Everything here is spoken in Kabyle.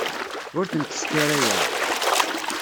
Ur tent-sskarayeɣ.